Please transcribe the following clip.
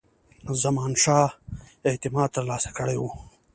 زمانشاه اعتماد ترلاسه کړی وو.